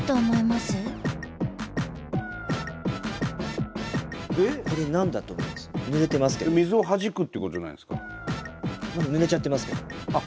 スタジオぬれちゃってますけど。